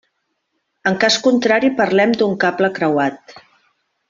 En cas contrari parlem d'un cable creuat.